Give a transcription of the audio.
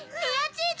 チーズ！